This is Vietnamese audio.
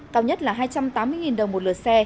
cao nhất là hai trăm tám mươi đồng một lượt xe